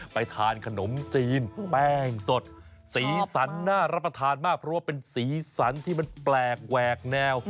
ไปทานขนมจีนแป้งสดสีสันน่ารับประทานมากเพราะว่าเป็นสีสันที่มันแปลกแหวกแนว